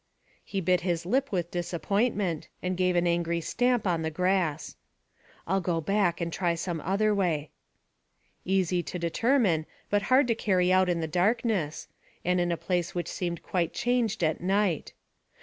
He bit his lip with disappointment, and gave an angry stamp on the grass. "I'll go back, and try some other way." Easy to determine, but hard to carry out in the darkness, and in a place which seemed quite changed at night.